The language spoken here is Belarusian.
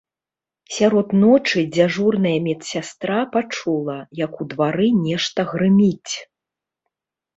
Сярод ночы дзяжурная медсястра пачула, як у двары нешта грыміць.